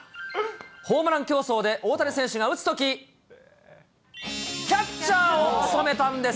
ホームラン競争で大谷選手が打つとき、キャッチャーを務めたんです。